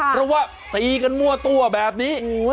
เพราะว่าตีกันมั่วตัวแบบนี้